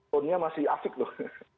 tonnya masih asik loh